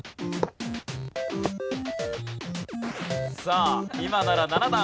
さあ今なら６段。